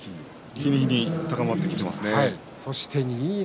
日に日に高まってきていますね。